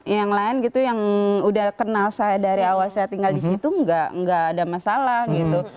yang lain gitu yang udah kenal saya dari awal saya tinggal di situ nggak ada masalah gitu